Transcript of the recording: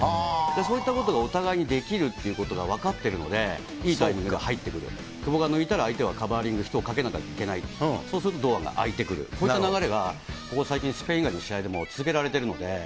そういったことがお互いにできるっていうことが分かってるので、いいタイミングで入ってくる、久保が抜いたら、相手はカバーリングに人をかけなきゃいけない、そうすると、堂安があいてくる、こういった流れがここ最近、スペイン以外の試合でも続けられてるので。